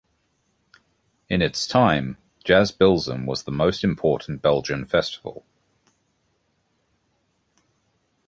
In its time Jazz Bilzen was the most important Belgian festival.